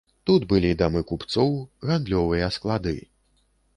Тут былі дамы купцоў, гандлёвыя склады.